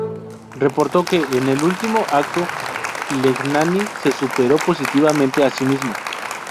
Reportó que "...en el último acto Legnani se superó positivamente a sí misma.